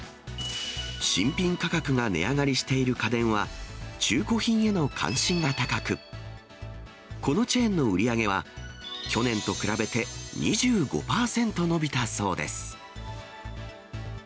新品価格が値上がりしている家電は、中古品への関心が高く、このチェーンの売り上げは、去年と比べて、２５％伸びたそうです。